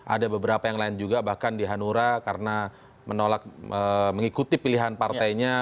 ada beberapa yang lain juga bahkan di hanura karena menolak mengikuti pilihan partainya